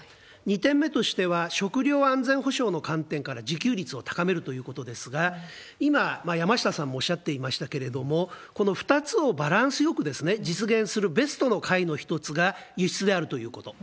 ２点目としては、食料安全保障の観点から、自給率を高めるということですが、今、やましたさんもおっしゃっていましたけれども、この２つをバランスよく実現するベストのかいの一つが輸出であるということ。